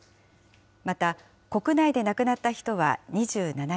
また、国内で亡くなった人は２７人。